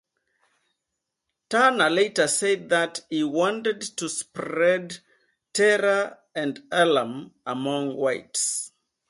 Turner later said that he wanted to spread "terror and alarm" among whites.